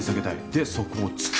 でそこを突く！